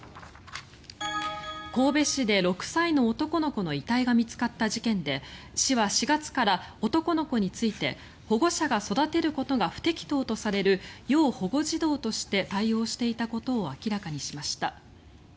神戸市で６歳の男の子の遺体が見つかった事件で市は４月から、男の子について保護者が育てることが不適当とされる要保護児童として対応していたことを明らかにしました。